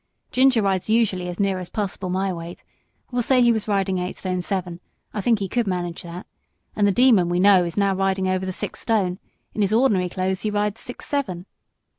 Ginger rides usually as near as possible my weight we'll say he was riding nine two I think he could manage that and the Demon, we know, he is now riding over the six stone; in his ordinary clothes he rides six seven."